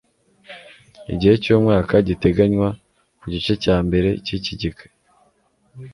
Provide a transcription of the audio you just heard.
igihe cy umwaka giteganywa ku gice cya mbere cy iki gika